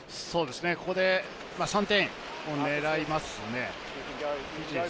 ここで３点を狙いますね。